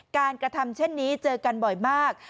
กระทำเช่นนี้เจอกันบ่อยมาก